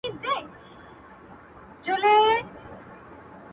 که تور سم!! سپين سمه!! پيری سم بيا راونه خاندې!!